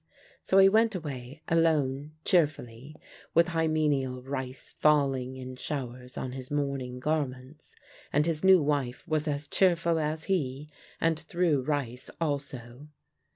So he went away alone cheerfully, with hymeneal rice falling in showers on his mourning garments ; and his new wife was as cheerful as he, and threw rice also.